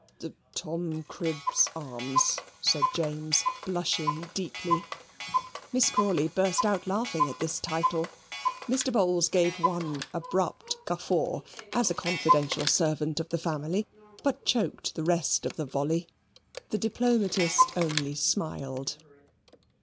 "The Tom Cribb's Arms," said James, blushing deeply. Miss Crawley burst out laughing at this title. Mr. Bowls gave one abrupt guffaw, as a confidential servant of the family, but choked the rest of the volley; the diplomatist only smiled.